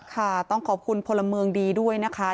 ค่ะต้องขอบคุณพลเมืองดีด้วยนะคะ